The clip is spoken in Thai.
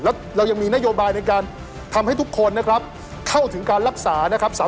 แล้วเรายังมีนโยบายในการทำให้ทุกคนนะครับเข้าถึงการรักษานะครับ